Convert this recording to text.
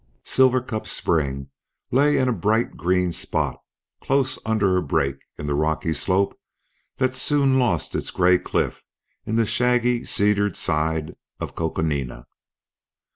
Silver Cup Spring lay in a bright green spot close under a break in the rocky slope that soon lost its gray cliff in the shaggy cedared side of Coconina.